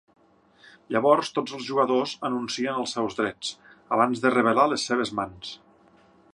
Llavors tots els jugadors anuncien els seus drets, abans de revelar les seves mans.